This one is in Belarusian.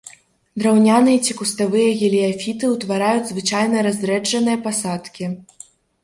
Драўняныя ці куставыя геліяфіты ўтвараюць звычайна разрэджаныя пасадкі.